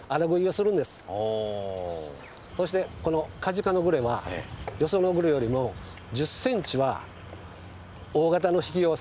そしてこの梶賀のグレはよそのグレよりも１０ｃｍは大型の引き！